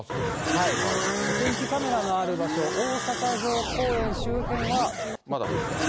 お天気カメラのある場所、まだ降ってない？